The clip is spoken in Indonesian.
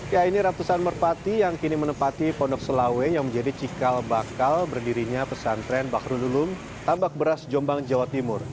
ya ini ratusan merpati yang kini menempati pondok selawe yang menjadi cikal bakal berdirinya pesantren bakrudulum tambak beras jombang jawa timur